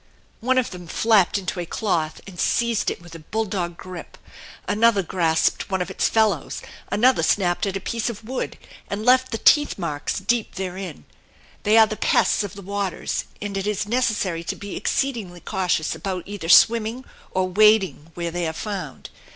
One of them flapped into a cloth and seized it with a bulldog grip. Another grasped one of its fellows; another snapped at a piece of wood, and left the teeth marks deep therein. They are the pests of the waters, and it is necessary to be exceedingly cautious about either swimming or wading where they are found.